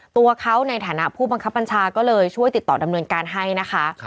ตัวเขาในฐานะผู้บังคับบัญชาก็เลยช่วยติดต่อดำเนินการให้นะคะ